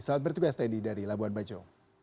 selamat bertugas teddy dari labuan bajo